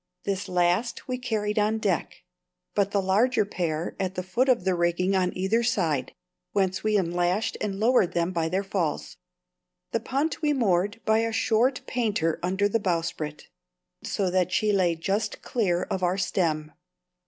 This last we carried on deck; but the larger pair at the foot of the rigging on either side, whence we unlashed and lowered them by their falls. The punt we moored by a short painter under the bowsprit, so that she lay just clear of our stem.